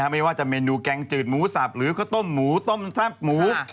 ไม่ว่าจะเมนูแกงจืดหมูสับหรือข้าวต้มหมูต้มแซ่บหมู